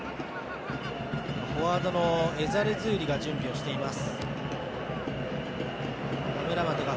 フォワードのエザルズーリが準備をしています。